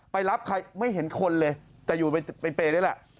ไปรับใครไม่เห็นคนเลยแต่อยู่เป็นเปย์นี่แหละ